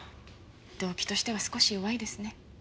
動機としては少し弱いですね。